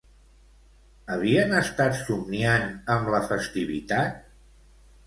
Havien estat somniant amb la festivitat?